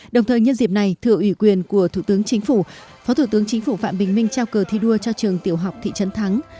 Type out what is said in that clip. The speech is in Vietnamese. đồng thời nhân dịp này thưa ủy quyền của thủ tướng chính phủ phó thủ tướng chính phủ phạm bình minh trao cờ thi đua cho trường tiểu học thị trấn thắng